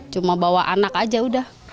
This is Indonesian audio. cuma bawa anak aja udah